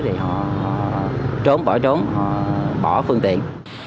thì họ trốn bỏ trốn họ bỏ phương tiện